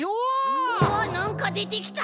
うわなんかでてきた！